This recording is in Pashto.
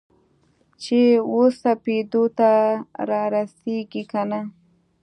چې وسپېدو ته رارسیږې کنه؟